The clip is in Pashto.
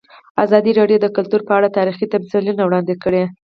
ازادي راډیو د کلتور په اړه تاریخي تمثیلونه وړاندې کړي.